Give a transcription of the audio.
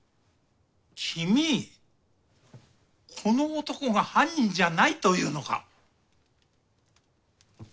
君この男が犯人じゃないと言うのか。